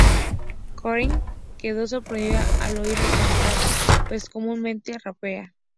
Carey quedó sorprendida al oírlo cantar, pues comúnmente rapea.